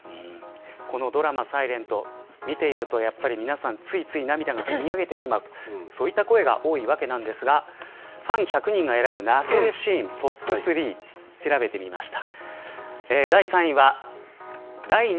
このドラマ、ｓｉｌｅｎｔ見ていると、皆さん、ついつい涙がこみ上げてしまうという声が多いわけなんですがファン１００人が選ぶ泣けるシーンＴＯＰ３を調べてみました。